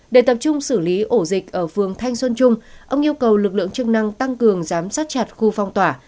để tập trung xử lý ổ dịch ở phường thanh xuân trung ông yêu cầu lực lượng chức năng tăng cường giám sát chặt khu phong tỏa